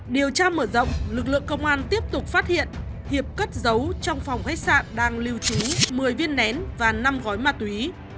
điều tra mở rộng lực lượng công an tiếp tục phát hiện hiệp cất giấu trong phòng khách sạn đang lưu trú một mươi viên nén và năm gói ma túy